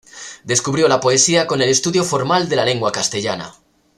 Descubrió la poesía con el estudio formal de la lengua castellana.